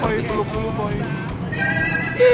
koi puluh puluh koi